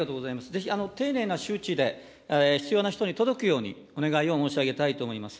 ぜひ丁寧な周知で必要な人に届くように、お願いを申し上げたいと思います。